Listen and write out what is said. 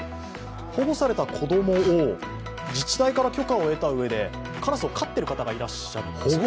保護された子供を自治体から許可を得た上でカラスを飼っている方がいらっしゃいます。